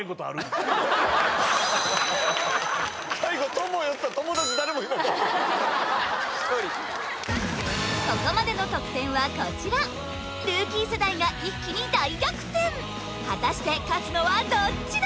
最後ここまでの得点はこちらルーキー世代が一気に大逆転果たして勝つのはどっちだ！？